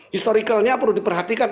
historikanya perlu diperhatikan